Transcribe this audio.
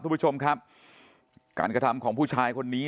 คุณผู้ชมครับการกระทำของผู้ชายคนนี้